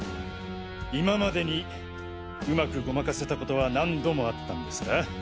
今までにうまくごまかせたことは何度もあったんですか？